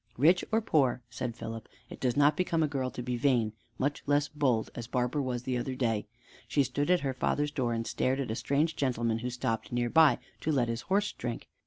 "Rich or poor," said Philip, "it does not become a girl to be vain, much less bold, as Barbara was the other day. She stood at her father's door, and stared at a strange gentleman who stopped near by, to let his horse drink.